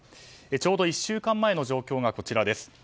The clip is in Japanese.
ちょうど１週間前の状況がこちらです。